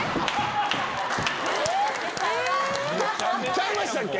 ちゃいましたっけ？